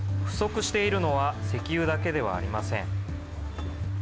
不足しているのは石油だけではありません。